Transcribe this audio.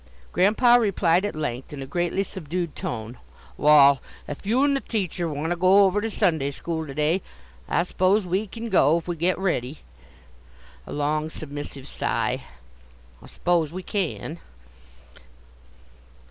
Grandpa replied at length in a greatly subdued tone: "Wall, if you and the teacher want to go over to Sunday school to day, I suppose we can go if we get ready," a long submissive sigh "I suppose we can."